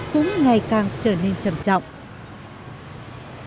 cũng ngày càng trở nên trầm trọng